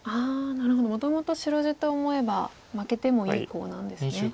なるほどもともと白地と思えば負けてもいいコウなんですね。